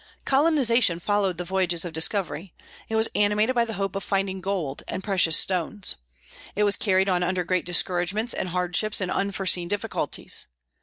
Colonization followed the voyages of discovery. It was animated by the hope of finding gold and precious stones. It was carried on under great discouragements and hardships and unforeseen difficulties.